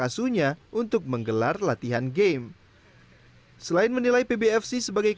asunya untuk menggelar latihan game selain menilai pbfc sebagai